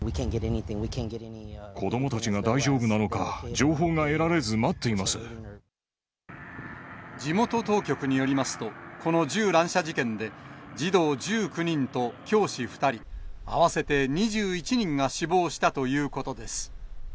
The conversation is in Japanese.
子どもたちが大丈夫なのか、地元当局によりますと、この銃乱射事件で、児童１９人と教師２人、合わせて２１人が死亡したということです。